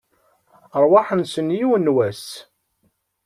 Rrwaḥ-nsen, yiwen n wass!